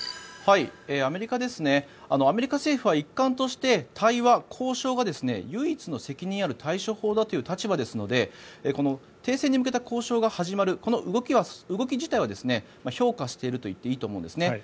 アメリカ政府は一環して対話、交渉が唯一の責任ある対処法だという立場ですのでこの停戦に向けた交渉が始まる動き自体は評価しているといっていいと思うんですね。